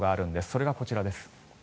それがこちらです。